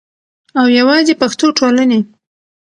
او یواځی پښتو ټولنې